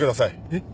えっ？